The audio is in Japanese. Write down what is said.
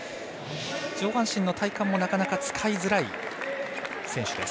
上半身の体幹もなかなか使いづらい選手です。